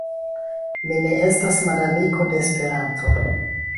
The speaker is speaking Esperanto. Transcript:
Mi ne estas malamiko de Esperanto.